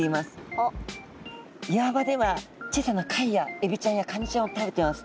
岩場では小さな貝やエビちゃんやカニちゃんを食べてます。